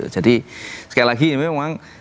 jadi sekali lagi ini memang